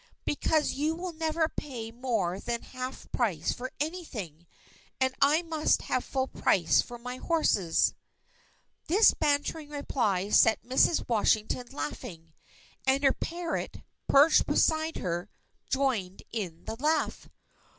"Because you will never pay more than half price for anything; and I must have full price for my horses." This bantering reply set Mrs. Washington laughing; and her parrot, perched beside her, joined in the laugh.